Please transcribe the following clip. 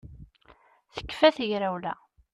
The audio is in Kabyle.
Tekfa tegrawla